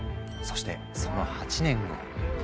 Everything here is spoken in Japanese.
そしてその８年後。